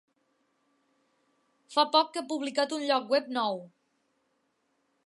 Fa poc que ha publicat un lloc web nou.